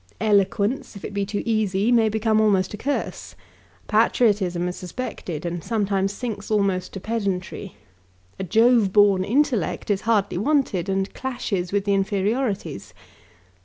Eloquence, if it be too easy, may become almost a curse. Patriotism is suspected, and sometimes sinks almost to pedantry. A Jove born intellect is hardly wanted, and clashes with the inferiorities.